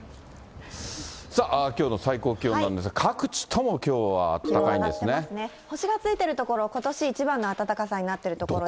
さあ、きょうの最高気温なんですが、各地ともきょうは暖かいんで星がついてる所、ことし一番の暖かさになっている所です。